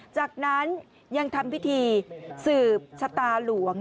จากนั้นยังทำพิธีสืบชะตาหลวง